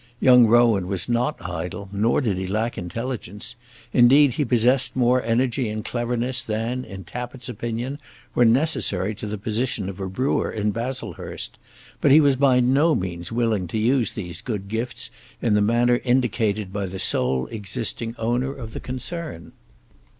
Young Rowan was not idle, nor did he lack intelligence; indeed he possessed more energy and cleverness than, in Tappitt's opinion, were necessary to the position of a brewer in Baslehurst; but he was by no means willing to use these good gifts in the manner indicated by the sole existing owner of the concern.